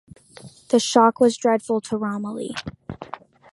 The shock was dreadful to Romilly.